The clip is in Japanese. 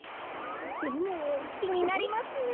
でもきになりますね。